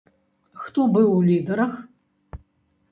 Хто быў ў лідарах?